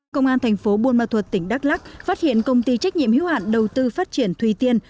công an thành phố buôn ma thuật tỉnh đắk lắc phát hiện công ty trách nhiệm hiếu hạn đầu tư phát triển thùy tiên